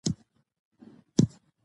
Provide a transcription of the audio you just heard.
هېڅکله د کمزورو اثارو ملاتړ مه کوئ.